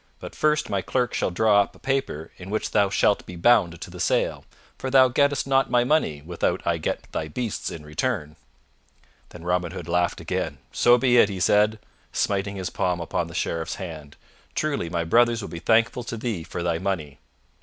But first my clerk shall draw up a paper in which thou shalt be bound to the sale, for thou gettest not my money without I get thy beasts in return." Then Robin Hood laughed again. "So be it," he said, smiting his palm upon the Sheriff's hand. "Truly my brothers will be thankful to thee for thy money."